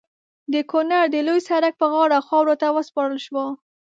د کونړ د لوی سړک پر غاړه خاورو ته وسپارل شو.